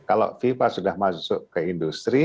kalau fifa sudah masuk ke industri